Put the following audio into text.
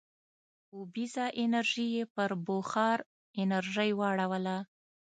اوبیزه انرژي یې پر بخار انرژۍ واړوله.